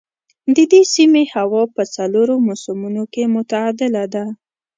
د دې سیمې هوا په څلورو موسمونو کې معتدله ده.